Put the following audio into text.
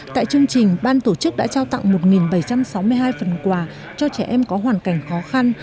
tại chương trình ban tổ chức đã trao tặng một bảy trăm sáu mươi hai phần quà cho trẻ em có hoàn cảnh khó khăn